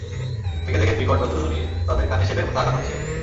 থেকে থেকে বিকট বজ্রধ্বনি তাদের কানে শেলের মত আঘাত হানছিল।